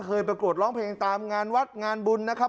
ประกวดร้องเพลงตามงานวัดงานบุญนะครับ